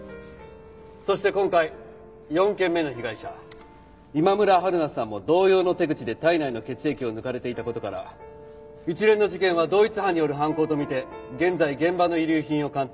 そして今回４件目の被害者今村春菜さんも同様の手口で体内の血液を抜かれていた事から一連の事件は同一犯による犯行とみて現在現場の遺留品を鑑定。